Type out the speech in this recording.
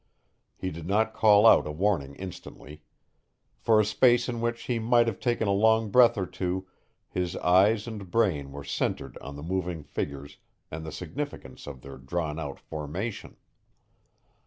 He did not call out a warning instantly. For a space in which he might have taken a long breath or two his eyes and brain were centered on the moving figures and the significance of their drawn out formation.